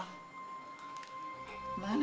jangan bentar ya